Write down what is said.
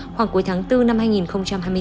khoảng cuối tháng bốn năm hai nghìn hai mươi bốn